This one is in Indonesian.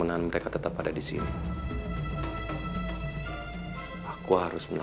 ini menjelaskan tentang keluarga